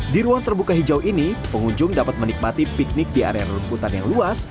di ruang terbuka hijau ini pengunjung dapat menikmati piknik di area rumputan yang luas